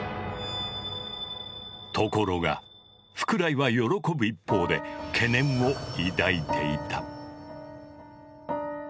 ところが福来は喜ぶ一方で懸念を抱いていた。